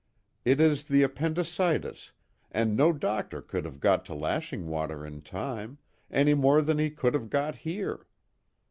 It is the appendicitis, and no doctor could have got to Lashing Water in time, any more than he could have got here.